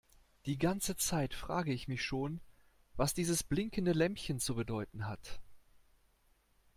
Die ganze Zeit frage ich mich schon, was dieses blinkende Lämpchen zu bedeuten hat.